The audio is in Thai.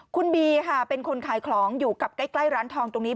คุณบีเป็นคนขายของอยู่กล้ายร้านทองตรงนี้